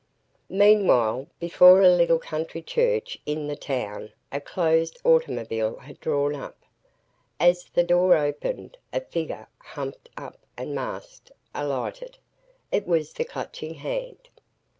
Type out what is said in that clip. ........ Meanwhile, before a little country church in the town, a closed automobile had drawn up. As the door opened, a figure, humped up and masked, alighted. It was the Clutching Hand.